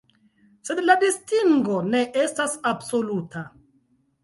Sed la distingo ne estas absoluta.